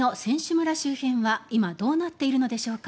村周辺は今どうなっているのでしょうか。